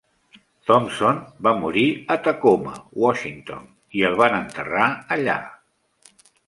Thompson va morir a Tacoma, Washington, i el van enterrar allà.